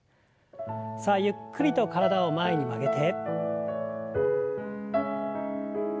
さあゆっくりと体を前に曲げて。